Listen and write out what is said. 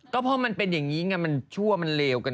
ก็เพราะมันเป็นแบบนี้ไงมันชั่วมันเลว